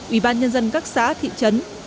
ủy ban nhân dân các xã thị trấn